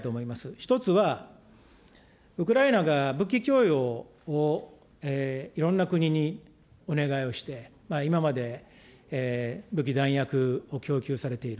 １つは、ウクライナが武器供与をいろんな国にお願いをして、今まで武器、弾薬を供給されている。